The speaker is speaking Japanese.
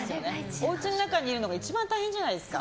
おうちの中にいるのが一番大変じゃないですか。